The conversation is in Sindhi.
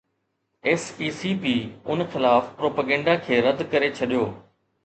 ايس اي سي پي ان خلاف پروپيگنڊا کي رد ڪري ڇڏيو